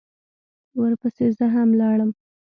ورپسې زه هم لاړم.